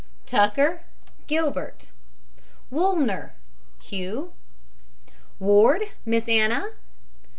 TUCKER, GILBERT. WOOLNER, HUGH. WARD, MISS ANNA.